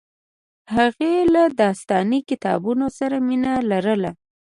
هغې له داستاني کتابونو سره مینه لرله